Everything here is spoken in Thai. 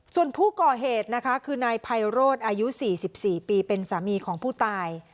ส่วนผู้ก่อเหตุนะคะคือนายไพโรธอายุ๔๔ปีเป็นสามีของผู้ตาย